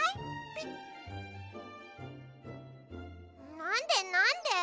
なんでなんで？